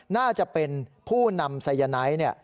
น่าจะเป็นผู้นำไสยไน้เนี่ย